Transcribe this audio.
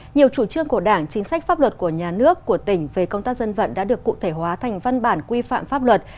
nhiều chủ trương của đảng chính sách pháp luật của nhà nước của tỉnh về công tác dân vận đã được cụ thể hóa thành văn bản quy phạm pháp luật